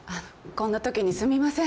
こんなときにすみません。